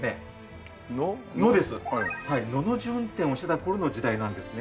のの字運転をしてた頃の時代なんですね。